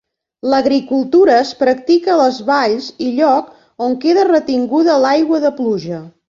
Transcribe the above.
L'agricultura es practica a les valls i lloc on queda retinguda l'aigua de pluja.